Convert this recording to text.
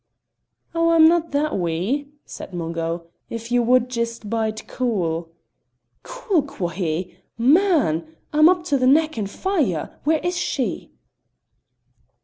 "Oh, I'm no' that wee!" said Mungo. "If ye wad jist bide cool " "'Cool' quo' he! Man! I'm up to the neck in fire. Where is she?"